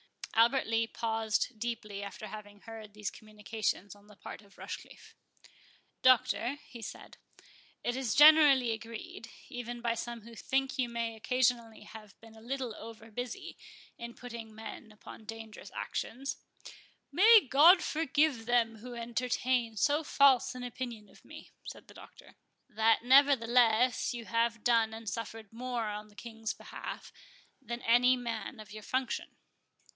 Albert Lee paused deeply after having heard these communications on the part of Rochecliffe. "Doctor," he said, "it is generally agreed, even by some who think you may occasionally have been a little over busy in putting men upon dangerous actions"— "May God forgive them who entertain so false an opinion of me," said the Doctor. —"That, nevertheless, you have done and suffered more in the King's behalf than any man of your function."